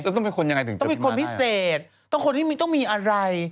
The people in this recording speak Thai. แล้วต้องเป็นคนยังไงถึงเจอพี่ม้าได้ต้องมีคนพิเศษต้องมีคนที่ต้องมีอะไร